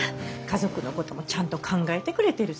家族のこともちゃんと考えてくれてるさぁねぇ。